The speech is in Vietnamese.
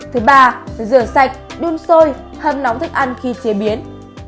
thứ ba rửa sạch đun sôi hâm nóng thức ăn khi chế biến